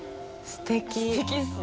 すてきですね。